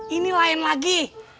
ini lain lagi